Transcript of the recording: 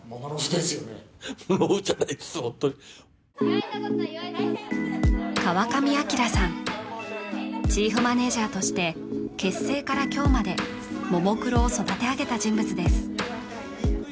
ホントに川上アキラさんチーフマネージャーとして結成から今日までももクロを育て上げた人物です